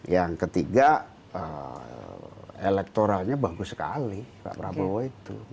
yang ketiga elektoralnya bagus sekali pak prabowo itu